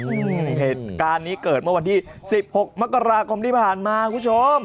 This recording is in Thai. เหตุการณ์นี้เกิดเมื่อวันที่สิบหกมกราคมที่ผ่านมาคุณผู้ชม